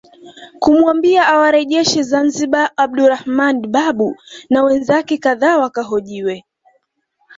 Kumwambia awarejeshe Zanzibar Abdulrahman Babu na wenzake kadhaa wakahojiwe